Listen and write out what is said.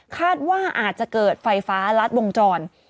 คาดว่าอาจจะเกิดไฟฟ้ารัดวงจร